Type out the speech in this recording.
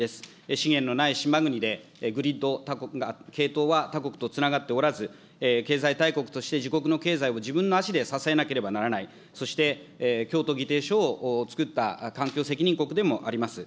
資源のない島国で、グリッド、他国は継東は他国とつながっておらず、経済大国として自国の経済を自分の足で支えなければならない、そして京都議定書を作った環境責任国でもあります。